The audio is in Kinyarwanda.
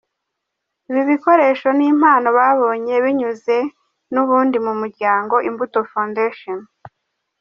Ibi bikoresho, ni impano babonye binyuze nubundi mu muryango Imbuto Foundation.